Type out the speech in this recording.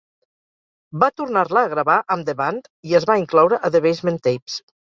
Va tornar-la a gravar amb The Band i es va incloure a "The Basement Tapes".